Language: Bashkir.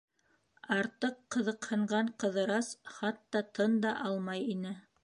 Артыҡ ҡыҙыҡһынған Ҡыҙырас хатта тын да алмай ине.